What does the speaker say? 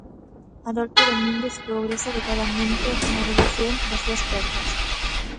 Adolfo Domínguez progresa adecuadamente na redución das súas perdas.